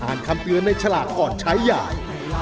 คำเตือนในฉลากก่อนใช้ใหญ่